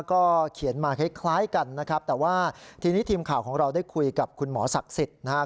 ก็เขียนมาคล้ายกันนะครับแต่ว่าทีนี้ทีมข่าวของเราได้คุยกับคุณหมอศักดิ์สิทธิ์นะครับ